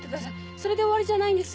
それで終わりじゃないんです！！